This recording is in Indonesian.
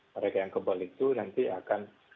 mereka yang kebal itu nanti akan